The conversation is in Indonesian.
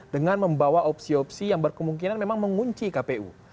dengan membawa opsi opsi yang berkemungkinan memang mengunci kpu